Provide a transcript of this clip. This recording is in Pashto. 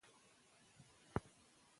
ایا د بدن بوی د ځانګړو خوړو سره توپیر کوي؟